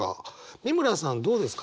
美村さんどうですか？